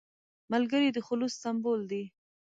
ملګری د خلوص سمبول دی